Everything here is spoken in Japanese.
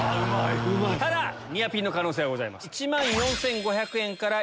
ただニアピンの可能性はございます。